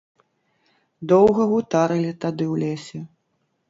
Доўга гутарылі тады ў лесе.